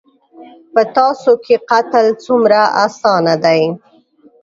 _په تاسو کې قتل څومره اسانه دی.